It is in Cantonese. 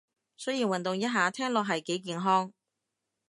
雖然運動一下聽落係幾健康